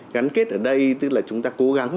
gắn kết ở đây tức là chúng ta cố gắng